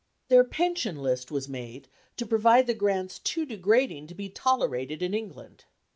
Their pension list was made to provide the grants too degrading to be tolerated in England.